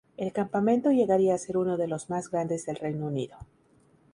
El campamento llegaría a ser uno de los más grandes del Reino Unido.